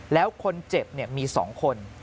แล้วคนเจ็บมี๒คน